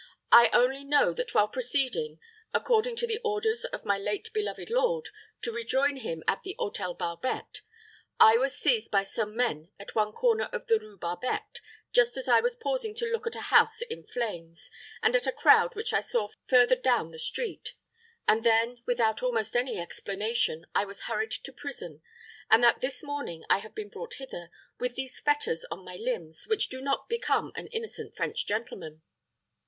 "I only know that while proceeding, according to the orders of my late beloved lord, to rejoin him at the Hôtel Barbette. I was seized by some men at one corner of the Rue Barbette, just as I was pausing to look at a house in flames, and at a crowd which I saw further down the street; that then, without almost any explanation, I was hurried to prison, and that this morning I have been brought hither, with these fetters on my limbs, which do not become an innocent French gentleman."